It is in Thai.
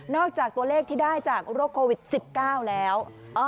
จากตัวเลขที่ได้จากโรคโควิด๑๙แล้ว